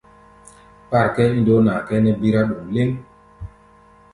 Kpár kʼɛ́ɛ́ ín ó naa kʼɛ́ɛ́ nɛ́ bírá ɗoŋ lɛ́ŋ.